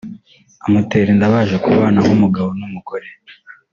amutera inda baje kubana nk’umugabo n’umugore